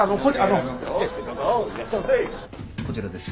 こちらです。